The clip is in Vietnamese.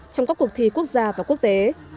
trong các cuộc thi quốc gia và quốc tế